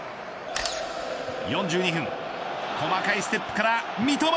４２分細かいステップから三笘。